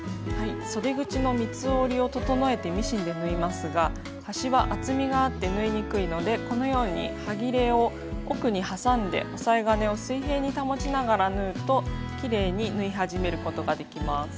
そで口の三つ折りを整えてミシンで縫いますが端は厚みがあって縫いにくいのでこのようにはぎれを奥に挟んで押さえ金を水平に保ちながら縫うときれいに縫い始めることができます。